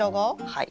はい。